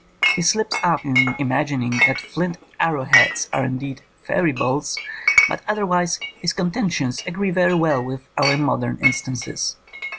He slips up in imagining that flint arrow heads are indeed *' fairy bolts," but otherwise his contentions agree very w^ell with our modem instances.